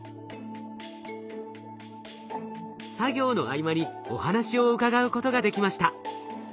作業の合間にお話を伺うことができました。